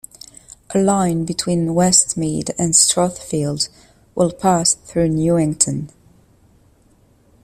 A line between Westmead and Strathfield will pass through Newington.